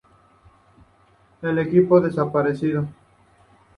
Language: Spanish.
El equipo desapareció.